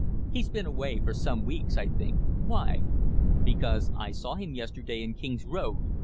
"He's been away for some weeks, I think. Why?" "Because I saw him yesterday in King's Road.